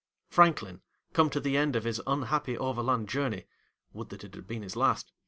Franklin, come to the end of his unhappy overland journey—would that it had been his last!